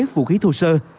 vũ khí thu sơ